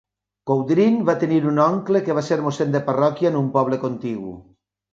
Coudrin va tenir un oncle que va ser mossèn de parròquia en un poble contigu.